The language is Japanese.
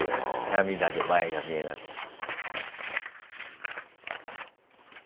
涙で前が見えなくなる。